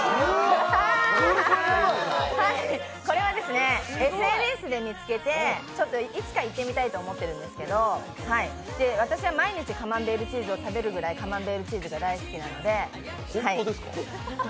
これは、ＳＮＳで見つけていつか行ってみたいと思ってるんですけど私は毎日カマンベールチーズを食べるぐらいカマンベールチーズが大好きなんで。